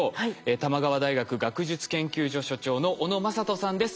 玉川大学学術研究所所長の小野正人さんです。